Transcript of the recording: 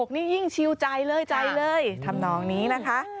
๖๖นี่ยิ่งชิวใจเลยทำน้องนี้นะคะ